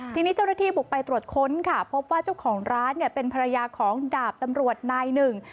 ทีนี้เจ้าหน้าที่บุกไปตรวจค้นค่ะพบว่าเจ้าของร้านเนี่ยเป็นภรรยาของดาบตำรวจนายหนึ่ง